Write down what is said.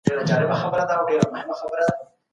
که اصطلاحات سم وکارول سي اصلي موخه نه ورکه کېږي.